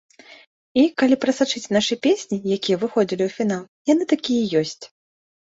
І, калі прасачыць нашы песні, якія выходзілі ў фінал, яны такія і ёсць!